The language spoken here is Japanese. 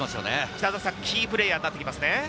キープレーヤーになってきますね。